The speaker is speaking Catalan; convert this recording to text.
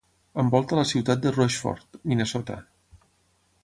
Envolta la ciutat de Rushford, Minnesota.